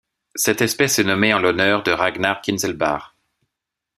Cette espèce est nommée en l'honneur de Ragnar Kinzelbach.